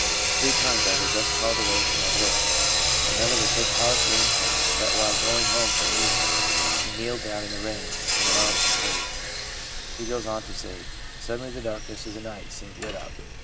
Three times I was thus called away from my SANCTIFICATION 379 work/ Another was so powerfully impelled that while going home from meeting he ' kneeled down in the rain and mud and prayed/ He goes on to say: ' Suddenly the darkness of the night seemed lit up.